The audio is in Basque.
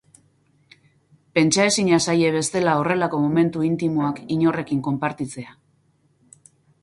Pentsaezina zaie bestela horrelako momentu intimoak inorrekin konpartitzea.